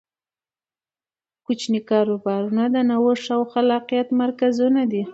کوچني کاروبارونه د نوښت او خلاقیت مرکزونه دي.